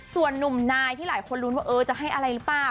ส่วนนุ่มนายที่หลายคนลุ้นว่าจะให้อะไรหรือเปล่า